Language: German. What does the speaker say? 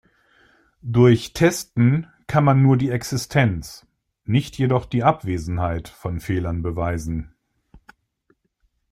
Durch Testen kann man nur die Existenz, nicht jedoch die Abwesenheit von Fehlern beweisen.